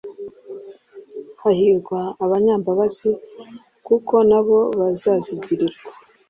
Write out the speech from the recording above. Hahirwa abanyambabazi kuko nabo bazazigirirwa